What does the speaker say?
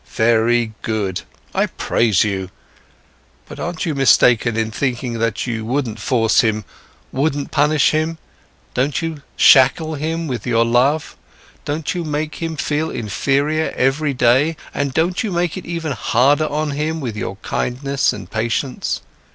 Very good, I praise you. But aren't you mistaken in thinking that you wouldn't force him, wouldn't punish him? Don't you shackle him with your love? Don't you make him feel inferior every day, and don't you make it even harder on him with your kindness and patience?